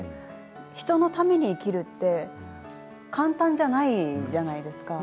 人のために生きるって簡単じゃないじゃないですか。